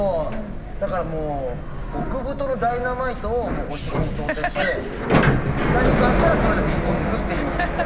だからもう極太のダイナマイトをお尻に装して何かあったらそれで突っ込んでくっていう。